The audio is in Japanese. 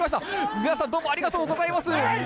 皆さん、どうもありがとうございます。